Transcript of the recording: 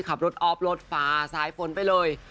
ขับรถออฟรถฝาซ้ายฝนไปเลย